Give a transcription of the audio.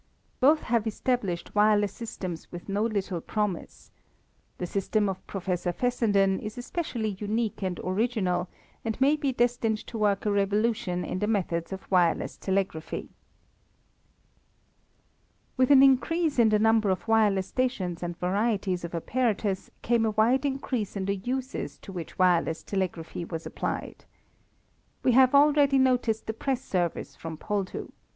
Both have established wireless systems with no little promise. The system of Professor Fessenden is especially unique and original and may be destined to work a revolution in the methods of wireless telegraphy. With an increase in the number of wireless stations and varieties of apparatus came a wide increase in the uses to which wireless telegraphy was applied. We have already noticed the press service from Poldhu.